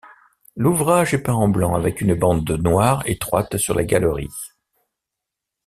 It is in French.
L'ouvrage est peint blanc avec une bande noire étroite sur la galerie.